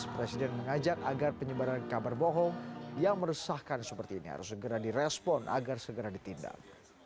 presiden mengajak agar penyebaran kabar bohong yang meresahkan seperti ini harus segera direspon agar segera ditindak